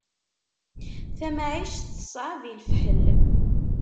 Tamɛict teṣɛeb i lefḥel.